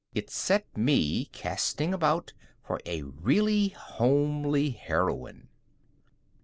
It set me casting about for a really homely heroine.